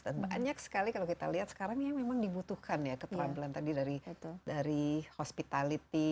dan banyak sekali kalau kita lihat sekarang memang dibutuhkan ya keterampilan tadi dari hospitality